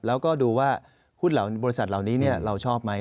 แล้วก็ดูว่าหุ้นบริษัทเหล่านี้เราชอบไหม